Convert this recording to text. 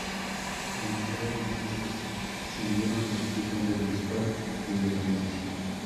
Finalizada la misma, descendieron los equipos de Bristol e Independencia.